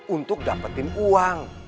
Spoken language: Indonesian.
untuk dapetin uang